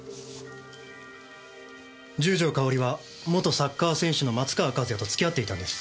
十条かおりは元サッカー選手の松川一弥と付き合っていたんです。